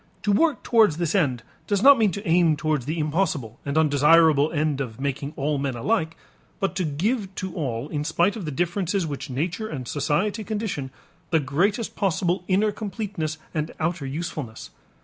To work towards this end does not mean to aim towards the impossible and undesirable end of making all men alike, but to give to all, in spite of the differences which nature and society condition, the greatest possible inner completeness and outer usefulness.